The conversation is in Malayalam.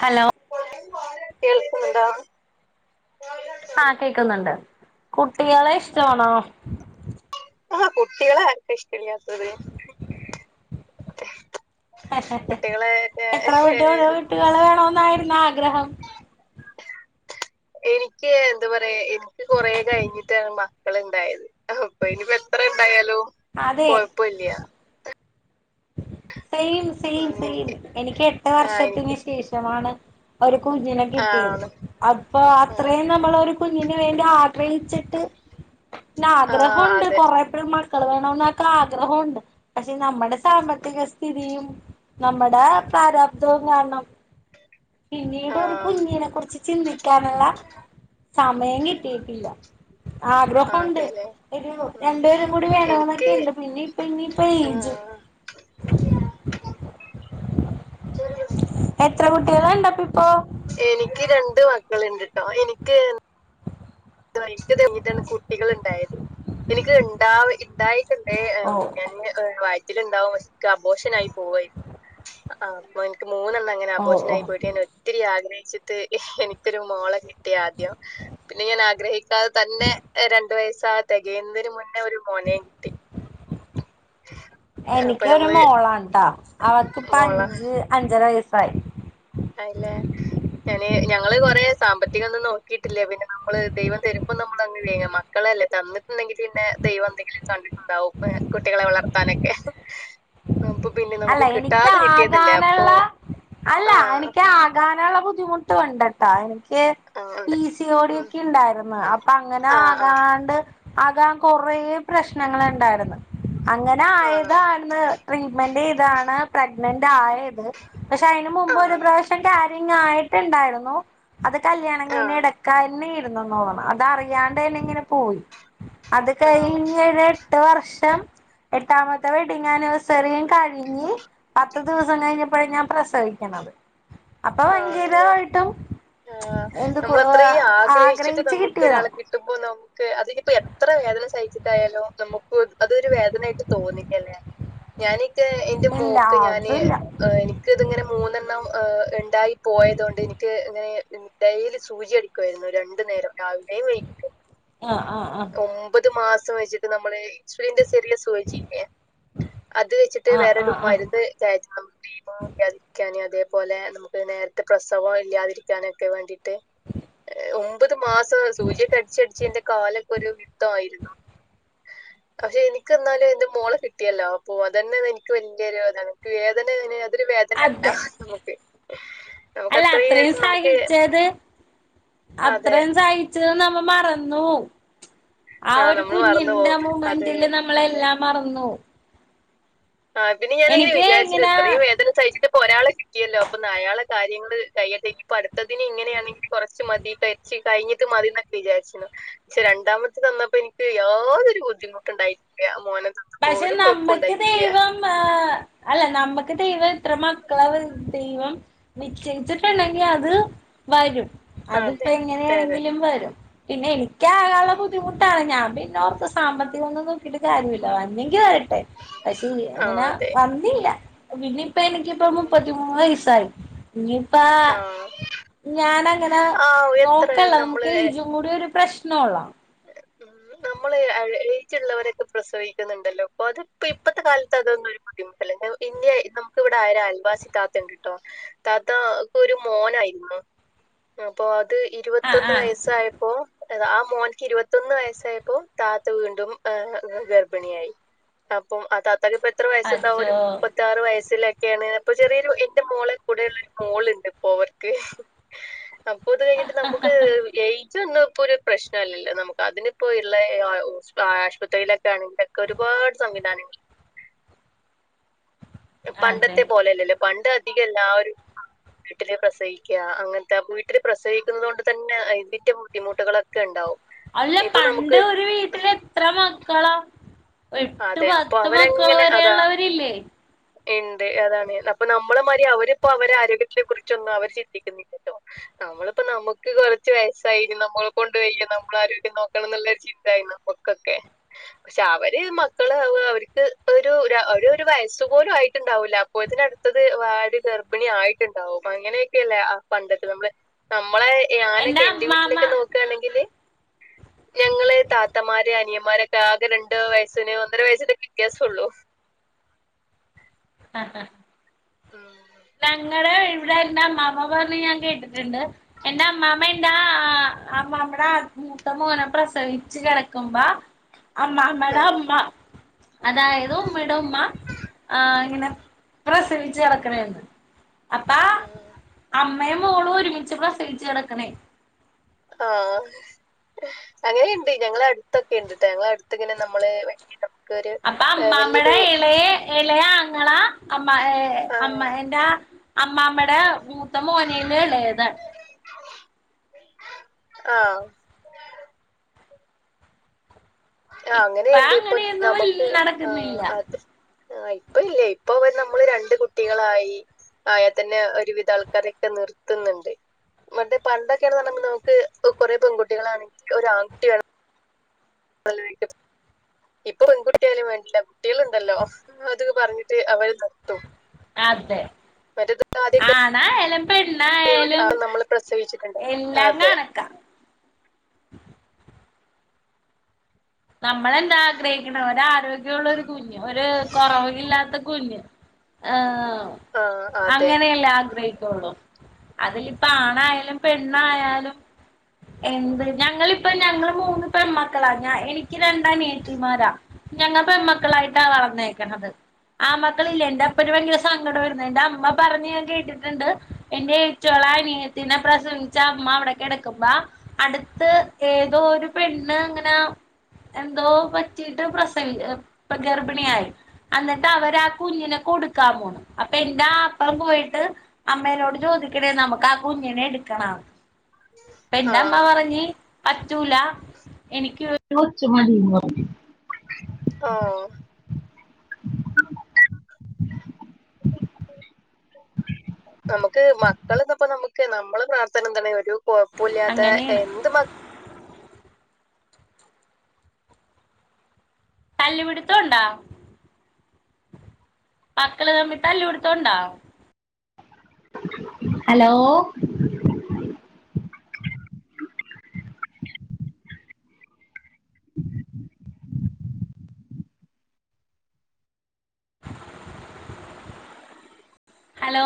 ഹലോ കേൾക്കണ്ടോ ആഹ് കേക്കുന്നുണ്ട് കുട്ടികളെ ഇഷ്ടമാണോ? ആഹ് കുട്ടികളെ ആർക്കാ ഇഷ്ടില്ലാത്തത് എത്ര കുട്ടി കുട്ടികള് വേണം എന്നായിരുന്നു ആഗ്രഹം എനിക്ക് എന്താ പറയാ എനിക്ക് കൊറെ കഴിഞ്ഞിട്ടമ്മ ഇണ്ടായത് അപ്പൊ ഇനിപ്പോ എത്ര ഇണ്ടായാലും അതെ കൊഴപ്പില്ല സെയിം സെയിം സെയിം എനിക്ക് എനിക്ക് എട്ട് ആ എനിക്ക് വർഷത്തിന് ശേഷമാണ് ഒരു കുഞ്ഞിനെ കിട്ടിയത് ആണ് അപ്പൊ ആ അത്രയും നമ്മൾ ഒരു കുഞ്ഞിന് വേണ്ടി ആഗ്രഹിച്ചിട്ട് ട്ട് പിന്ന ആ ആഗ്രഹോണ്ട് അതെ കൊറെ മക്കൾ വേണ എന്നൊക്കെ ആഗ്രഹമുണ്ട് പക്ഷെ നമ്മുടെ സാമ്പത്തിക സ്ഥിതിയും നമ്മടെ പ്രാരാബ്ദവും കാരണം പിന്നീട് ആ ഒരു കുഞ്ഞിനെ കുറിച്ച് ചിന്തി ക്കാന്ള്ള സമയം കിട്ടിയിട്ടില്ല ആഗ്രഹുണ്ട് അതെല്ലേ ഒരു ഉം രണ്ടുപേരും കൂടി എനിക്ക് വേണമെന്നൊക്കെ ഇണ്ട് പിന്നെ ഇപ്പ ഇനിയിപ്പൊ ആ ഏജ് [unintelligible] എത്ര കുട്ടികളണ്ട് അപ്പ ഇപ്പൊ എനിക്ക് രണ്ട് മക്കള്ണ്ട്ട്ടോ എനിക്ക് [unintelligible] ട്ടാണ് കുട്ടികള് ഇണ്ടായത് എനിക്ക് ഇണ്ടാവ ഇണ്ടായ്ട്ടുണ്ട് ഓ ര വയറ്റില്ണ്ടാവും പക്ഷേ ക്ക്‌ അബോഷനായി പോവായിരുന്നു അപ്പോ ഇൻക്ക് മൂന്നെണ്ണം അങ്ങനെ ഓ ഓ അബോഷനായി പോയിട്ട് ഞാൻ ഒത്തിരി ആഗ്രഹിച്ച്ട്ട് എനിക്കൊരു മോളെ കി ട്ടി ആദ്യം പിന്നെ ഞാൻ ആ തന്നെ രണ്ടു വയസാ തെകയുന്നെന് മുന്നേ ഒരു മോനേം കിട്ടി അപ്പൊ എനിക്കൊരു നമ്മള് മോളാണ് ട്ടാ അവക്കിപ്പ മോള അഞ്ച് അഞ്ചര വയസ്സായി അല്ലേ ഞാന് ഞങ്ങള് കൊറെ സാമ്പത്തികം ഒന്നും നോക്കിട്ടില്ലേ പിന്നെ നമ്മള് ദൈവം തരു ഇപ്പം നമ്മള് [unintelligible] മക്കളല്ലേ തന്നിട്ടുണ്ടെങ്കി പിന്നെ ദൈവം എന്തെങ്കിലും കണ്ടിട്ടുണ്ടാകും കുട്ടികളെ വളർ [unintelligible] അല്ല എനിക്ക് കിട്ടിയതല്ലേ അപ്പൊ ആകാന്ള്ള അല്ല ആ എനിക്ക് ആകാന്ള്ള ബുദ്ധിമുട്ട് ഉണ്ട്ട്ടോ എനിക്ക് പീ അങ്ങനെ ഉം. സിയോടിയക്കെ ഇണ്ടായിരുന്നു അപ്പൊ അങ്ങനെ ആ ആ ആകാണ്ട് ആകാം കൊറേ പ്രശ്നങ്ങള്ണ്ടായിരുന്നു അങ്ങ ആണോ ആയതാര്ന്ന് ട്രീറ്റ്മെന്റ് ചെയ്താണ് പ്രഗ്നന്റ് ആയ പക്ഷെ അഴിന് ആ മുമ്പ് ഒരു പ്രാവശ്യം കാരിങ്ങ് ആയിട്ട്ണ്ടായിരുന്നു അത് കല്യാണം ആ കഴിഞ് എടക്കായാന്നെര്ന്നുതോന്നുണു അത് അറിയാണ്ടന്നെ ഇങ്ങനെ പോയി അത് ആ കഴിഞ് എട്ട് വർഷം എട്ടാമത്തെ വെഡി്ങ് ആനിവേയ്സറിയും കഴി ഴിഞ് പത്ത് ദിവസം കഴിഞ്ഞപ്പോഴ ഞാൻ പ്രസവിക്ക്‌ണത് അപ്പൊ ആണല്ലേ ഭയങ്കരമായിട്ടും ആ എന്ത് നമ്മൾ അത്രയും ആഗ്രഹിച്ചിട്ട് ആഗ്രഹിച്ച് നമുക്ക് കിട്ടിയതാ [unintelligible] അതിനിപ്പോ എത്ര വേദന സഹിച്ചിട്ടായാലും നമുക്ക് അതൊരു വേദനായിട്ട് തോന്നില്ല ലെ ഞാനിത് എന്റെ ഇല്ല മോക്ക് ഞാന് അതുല്ല എനിക് ഇത്ങ്ങനെ മൂന്നെണ്ണം ഇ ണ്ടായി പോയതൊണ്ട് എനിക്ക് ഇങ്ങനെ ഡെയിലി സൂചി അടിക്കുവായിരുന്നു രണ്ട് നേരം രാവിലെയും വൈകിട്ടും ആ ആ ആ ഒമ്പത് മാസം വെച്ചിട്ട് നമ്മള് സ്ലിന്റെ ചെറിയ സൂചില്ലേ അത് വെച്ചിട്ട് ആഹ് വേറരു ആഹ് ആഹ് മരുന്ന് [unintelligible] അതേപോലെ നമു നേര്ത്തെ പ്രസവം ഇല്ലാതിരിക്കാനൊക്കെ വേണ്ടിട്ട് ട്ട് ഒമ്പത് മാസം സൂചിയൊക്ക അടിച്ചടിച്ച് എന്റെ കാലൊക്കെ ഒരു വി തായിരുന്നു പക്ഷെ എനിക്ക് ന്നാലും എന്റെ മോള കിട്ടിയല്ലോ അപ്പോ അതന്നെ എനിക്ക് ഭയങ്കര ഒരു അനക്ക് വേദന അതൊരു വേ ദനണ്ടാഹ് നമുക്ക് നമുക്ക് അല്ലാ അത്രയും ആയിട്ട് നമുക്ക് സഹിച്ചത് അത്ര അതെ സഹിച്ചത് നമ്മ മറന്നു പൊവും ആ ഒരു നമ്മൾ മറന്നു കുഞ്ഞിന്റെ പോകും അത് മൂവ്മെന്റില് അതെ നമ്മളെല്ലാം മറന്നോവും ആതിന് ഞാനങ്ങനെ എനിക്ക് വിചാരിച്ച്ണ് ഇങ്ങനെ ഇത്രയും വേ സഹിച്ചിട്ടിപ്പോ ഒരാളെ കിട്ടിയല്ലോ അപ്പൊ ന്ന് അയാളെ കാര്യങ്ങള് കയ്യട്ടേ ഞ്ഞിപ്പ അടുത്തതിന് ഇങ്ങനെയാണെങ്കില് കുറച്ച് മതിട്ട ച് കയ്ഞ്ഞിട്ട് മതിന്നക്കെ വിചാരിചീന്നു പക്ഷെ രണ്ടാമത്തെ തന്നപ്പോ എനിക്ക് യാതൊരു ബുദ്ധിമുട്ടുണ്ടായിട്ടില്ല്യ മോനെ തന്ന അപ്പൊ പക്ഷെ ഒരു കൊഴപ്പുണ്ടാ നമ്മക്ക് ദൈവം ആ അല്ല നമ്മക്ക് ദൈവ എത്രമ കർത്താവ് ദൈവം നിശ്ചയിച്ചിട്ടുണ്ടെങ്കിൽ അത് വരും അതിപ്പോ അതെ അതെ അതെ എങ്ങനെയാണെങ്കിലും വരും പിന്നെ എനിക്ക് ആകള്ള ഉം ബുദ്ധിമുട്ട് ട്ടാണ് ഞൻപിന്നോർത്ത് സാമ്പത്തികൊന്നും നോക്കിട്ട് കാര്യമില്ല വന്നെങ്കി വരട്ടെ പക്ഷേ ആഹ് അങ്ങനെ അതെ വന്നില്ല പിനിയിപ്പ എനിക്കിപ്പ ഉം മുപ്പത്തിമൂന്ന് വയസായി ഇനിയിപ്പ ആഹ് ഞാനങ്ങനെ ആഹ് എത്ര നോക്കല്ലോ നമുക്ക് നമ്മള് ഐജ്ജ് കൂടെ ഒരു പ്രശ്നൊള്ള നമ്മൾ എഴ് എയ്ജ്ള്ളവരൊക്കെ പ്രസവിക്കുന്നുണ്ടല്ലോ പ്പൊ അത്പ്പോ ഇപ്പഴത്തെ കാലത്ത് അതൊന്നും ബുദ്ധിമുട്ടലന്നെ പിന്നെ നമുക്ക് ഇവിടെ ഒരു അൽവാസി ത്താത്തണ്ട് ട്ടോ താത്തക്കൊരു മോനായിരുന്നു അപ്പൊ അത് ആഹ് ഇരുവത്തൊന്ന് ആഹ് വയസ്സായപ്പോ ആ മോൻ ഇരുപത്തൊന്ന് വയസ്സായപ്പോ താത്ത വീണ്ടും എഹ് ഗർഭിണിയായി അപ്പം അ താത്താക്ക പ്പ എത്ര വയസ്സുണ്ടാവും ഒരു ഓ ത്താറ് വയസ്സിലൊക്കെയാണ് അപ്പൊ ചെറിയൊരു എന്റെ മോളെ കൂടെയള്ളരു മോളുണ്ട് പ്പോ അവർക്ക് [inaudible] അപ്പൊ ത് കഴിഞ്ഞിട്ട് നമുക്ക് യ്ജ് ഒന്നും ഇപ്പോ ഒരു പ്രശ്നം അല്ല നമുക്ക് അതിനിപ്പോ ള്ള ഏ ആശുപത്രിയിലൊക്കെ ആണെങ്കിലൊക്കെ ഒരുപാട് സംവിധാനങ്ങ [inaudible] അതെ പണ്ടത്തെ പോലല്ലല്ലേ പണ്ട് അധികല്ല എല്ലാവരും വീട്ടില് പ്രസവിക്കഅങ്ങനത്തെ വീട്ടില് പ്രസവിക്കുന്നത കൊണ്ട് തന്നെ അതിന്റെ ബുദ്ധിമുട്ടുകളൊക്കെ ണ്ടാവും അല്ലെ പണ്ട് ഒരു വീട്ടില് ത്ര മക്കളാ എട്ട് അതെ അപ്പൊ പത്ത് മക്കള് വരെയുള്ളവരില്ലേ ഇണ്ട് അതാണ് അപ്പൊ നമ്മളെ മാതി അവരിപ്പോ അവരെ ആരോഗ്യത്തിനെ കുറിച്ചൊന്നും അവർ ചിന്തിക്കുന്നില്ലല്ലോ നമ്മളിപ്പോ നമുക്ക് കൊറച്ച് വയസായിന് നമ്മള കൊണ്ട് വെയ്യ നമ്മൾ ആരക്കും നോക്കണം എന്നുള്ളരു ചിന്തായി നമ്മ [inaudible] പക്ഷെ അവര് മക്കള് അവർക്ക് ഒരുര ഒരു വയസ് തുപോലും ആയിട്ടുണ്ടാവില്ല അപ്പോഴത്തിന് അടുത്തത് വാട് ഗർഭിണി ആയിട്ടുണ്ടാവും അങ്ങനെയൊക്കെല്ലേ ആ പണ്ടത്തെ നമ്മള് നമ്മളെ ഞാനൊക്കെ എന്റെ വീട്ടിലൊക്കെ നോക്കണെങ്കില് ഞങ്ങള് താത്തമാര് അനിയന്മാരൊക്കെ ആകെ രണ്ട വയസ്സിന് ഒന്നര വയസ്സന്റെക്കെ വ്യത്യാസൊള്ളു ആഹ് ആഹ് ഉം ഞങ്ങള് ഇവിടെ ഇന്റെ അമ്മാമ പറഞ്ഞ് ഞാൻ കേട്ടിട്ടുണ്ട് എന്റൊ അമ്മാമ്മ എന്താ അമ്മാമ്മടെ മൂത്ത മകനെ പ്രസവിച്ചു കെടക്കുമ്പോ അമ്മാമേട അമ്മ അതായത് ഉമ്മയുടെ ഉമ്മ ആ ഇങ്ങനെ പ്രസവിച്ചു കിടക്കണെന്ന് അപ്പാ ഉം അമ്മയും മോളും ഒരുമിച്ച പ്ര സേച്ച് കിടക്കണേ ആഹ് അങ്ങനെയുണ്ട് ഞങ്ങള അടുത്തൊക്കെ ഉണ്ട്ട്ടാ ഞങ്ങള അടുത്ത് ഇങ്ങനെ നമ്മള് നമുക്കൊരു അപ്പ ഏഹ് അമ്മമ്മടെ വലിയൊരു ഇളയെ ഇളയ ആങ്ങള അമ്മ ഏ അമ്മ എന്റെ അമ്മാമെടേ മൂത്ത മോനേലും എളേതാ ആഹ് ആഹ് ആ ഇപ്പ അങ്ങനെണ്ട് ഇപ്പൊ അങ്ങനെയൊന്നും ഇല്ല നമുക്ക് ആ നടക്കുന്നില്ല അതെ ആ ഇപ്പ ഇല്ല ഇപ്പ അവ നമ്മള് രണ്ട് കുട്ടികളായി ആയാ തന്നെ ഒരുവിധ ആൾക്കാരൊക്കെ നിർത്തുന്നുണ്ട് മറ്റേ പണ്ടൊക്കെയണെന്ന് പർഞ്ഞ നമുക്ക് ഇ കൊറെ പെൺകുട്ടികളണെങ്കിൽ ഒരാൺ കുട്ടി വേണം നല്ലവെയ്റ്റ് ഇപ്പൊ പെൺകുട്ടിയലും വേണ്ടില്ല കുട്ടികളുണ്ടല്ലോ അത് പറഞ്ഞിട്ട് അവര് നിർത്തും അതെ മറ്റേത് ആദ്യൊക്കെ ആണായാലും പെണ്ണായാ ലും നമ്മള് പ്രസവിച്ചിട്ടുണ്ട് എല്ലാം അതെ കണ് നമ്മളെന്താ ആഗ്രഹിക്കണ ഒരാ രോഗ്യമുള്ള ഒരു കുഞ്ഞ് ഒരു കുറവ ഇില്ലാത്ത കുഞ്ഞ് ആ ആഹ് അതെ അങ്ങനെയല്ലേ ആഗ്രഹിക്കോളൂ അതിലിപ്പ ആണായാലും പെണ്ണായാലും എന്ത് ഞങ്ങളിപ്പ ഞങ്ങള് മൂന്ന് പെൺമക്കളാ ഞൻ എനി എക്ക് രണ്ടാ നിയതി മാരാ ഞങ്ങ പെമ്മക്കളായിട്ടാ വളന്നേക്കത് ആ മക്കള ഇല്ല എന്റെ അപ്പു ഭയങ്കര സങ്കടം വരുന്നു എന്റെ അമ്മ പറഞ്ഞ് ഞാൻ കേട്ടിട്ടുണ്ട് എന്റെ ചൊളന്നിയതി പ്രസവി- എന്റെ അമ്മ അവിടെ ക്കെടക്കുമ്പ അടുത്ത് ഏതോ ഒരു പെണ്ണ് ങ്ങനെ എന്തോ പറ്റിട്ട് പ്രസവി ഗർഭിണിയായി. എന്നിട്ട് അവരാ ആ കുഞ്ഞിനെ കൊടുക്കാൻ പോ അപ്പൊ എന്റ അപ്പം പോയിട്ട് അമ്മേനോട് ചോദിക്കണേ നമുക്ക് ആ കുഞ്ഞിനെ എടുക്കണ എന്റെമ്മ ആഹ് പറഞ് പറ്റുല എനിക്ക് രു കൊച് മതി ന്ന് പറഞ്ഞു ആഹ് [unintelligible] [unintelligible] നമുക്ക് മക്കൾ ന്നപ്പോ നമുക്ക് നമ്മള് പർഥന എതണ് ഒരു കൊഴപ്പില്ലാത്ത അങ്ങനെയാണ് എന്ത് മാ- തല്ലു പിടുത്തണ്ടോ? മക്കള് തമ്മി തല്ല് പിടുത്തണ്ടോ? Hello [unintelligible] hello?